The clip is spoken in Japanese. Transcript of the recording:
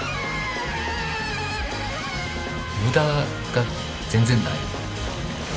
無駄が全然ない。